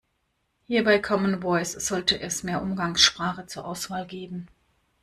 Hier bei Common Voice sollte es mehr Umgangssprache zur Auswahl geben.